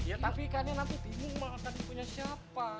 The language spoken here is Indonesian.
ya tapi ikannya nanti timung malah akan dipunya siapa